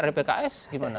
ada pks gimana